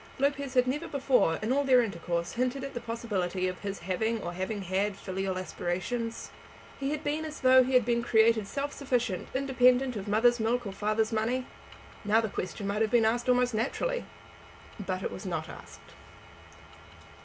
Lopez had never before, in all their intercourse, hinted at the possibility of his having or having had filial aspirations. He had been as though he had been created self sufficient, independent of mother's milk or father's money. Now the question might have been asked almost naturally. But it was not asked.